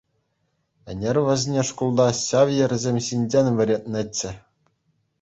Ӗнер вӗсене шкулта ҫав йӗрсем ҫинчен вӗрентнӗччӗ.